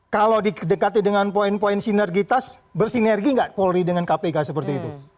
kalau di dekati dengan poin poin sinergitas bersinergi gak polri dengan kpk seperti itu